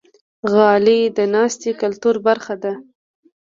غالۍ د ناستې کلتور برخه ده.